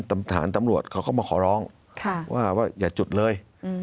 ตำรวจเขาก็มาขอร้องว่าอย่าจุดเลย